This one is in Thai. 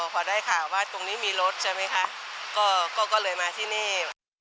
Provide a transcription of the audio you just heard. พอได้ข่าวว่าตรงนี้มีรถใช่ไหมคะก็เลยมาที่นี่